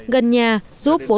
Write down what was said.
gần nhà giúp bốn hộ